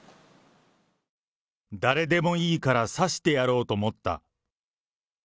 誰でもいいから刺してやろうと思った。